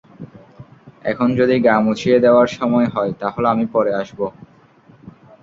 এখন যদি গা মুছিয়ে দেওয়ার সময় হয়, তাহলে আমি পরে আসবো।